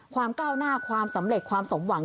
ก้าวหน้าความสำเร็จความสมหวัง